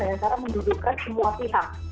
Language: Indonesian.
dengan cara mendudukan semua pihak